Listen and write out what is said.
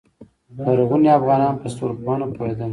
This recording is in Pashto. لرغوني افغانان په ستورپوهنه پوهیدل